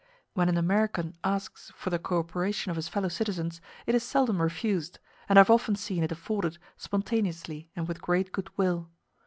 When an American asks for the co operation of his fellow citizens it is seldom refused, and I have often seen it afforded spontaneously and with great goodwill.